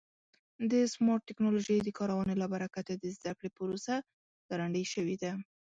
د سمارټ ټکنالوژۍ د کارونې له برکته د زده کړې پروسه ګړندۍ شوې ده.